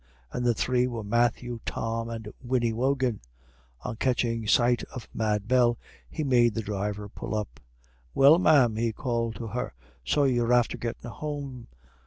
And the three were Matthew, Tom, and Minnie Wogan. On catching sight of Mad Bell, he made the driver pull up. "Well, ma'am," he called to her, "so you're after gettin' home.